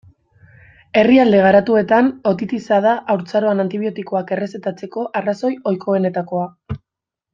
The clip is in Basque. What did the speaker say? Herrialde garatuetan, otitisa da haurtzaroan antibiotikoak errezetatzeko arrazoi ohikoenetakoa.